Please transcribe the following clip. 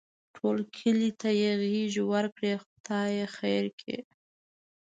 ټول کلي ته یې غېږه ورکړې؛ خدای خیر کړي.